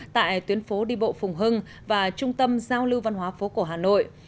tại tuyến phố đi bộ phùng hưng và trung tâm giao lưu văn hóa phố cổ hà nội